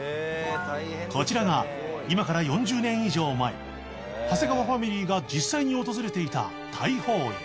こちらが今から４０年以上前長谷川ファミリーが実際に訪れていた大豊湯